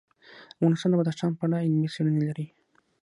افغانستان د بدخشان په اړه علمي څېړنې لري.